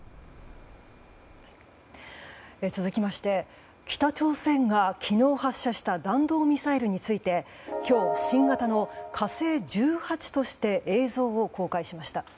続きまして北朝鮮が昨日発射した弾道ミサイルについて今日、新型の「火星１８」として映像を公開しました。